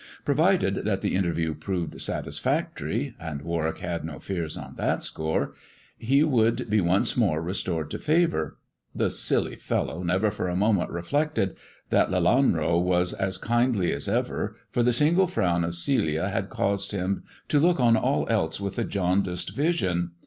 Provided that the interview proved satisfactory — and Warwick had no fears on that score — he would be once more restored to favour. The silly fellow never for a moment reflected that Lelanro was as kindly as ever, for the single frown of Celia had caused him to look on all else with a jaundiced vision.